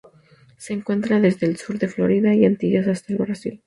Se encuentra desde el sur de Florida y Antillas hasta el Brasil.